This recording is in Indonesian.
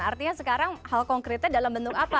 artinya sekarang hal konkretnya dalam bentuk apa